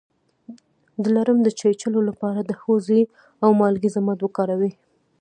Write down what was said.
د لړم د چیچلو لپاره د هوږې او مالګې ضماد وکاروئ